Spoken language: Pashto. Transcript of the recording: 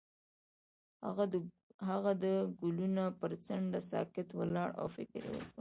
هغه د ګلونه پر څنډه ساکت ولاړ او فکر وکړ.